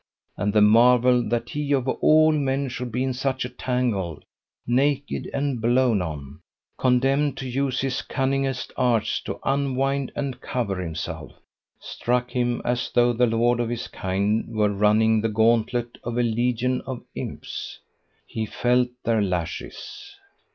And the marvel that he of all men should be in such a tangle, naked and blown on, condemned to use his cunningest arts to unwind and cover himself, struck him as though the lord of his kind were running the gauntlet of a legion of imps. He felt their lashes.